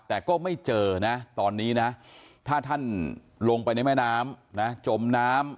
แต่ก็ไม่เจอนะตอนนี้นะถ้าท่านลงไปในแม่น้ำนะจมน้ำ